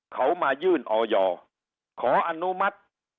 เขามายื่นออยขออนุมัติ